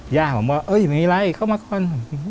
ย่าผมว่าไม่มีอะไรเข้ามาก่อน